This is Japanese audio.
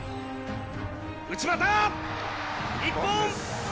内股、一本！